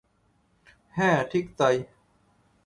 হ্যাঁ, ঠিক তাই।